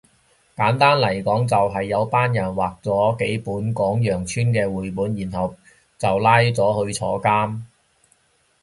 簡單嚟講就係有班人畫咗幾本講羊村嘅繪本然後就拉咗去坐監